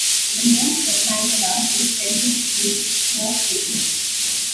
The name "Tertangala" is said to mean "smoke signals".